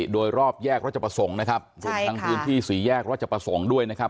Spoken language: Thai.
โดยรอบแยกรัชประสงค์นะครับรวมทั้งพื้นที่สี่แยกรัชประสงค์ด้วยนะครับ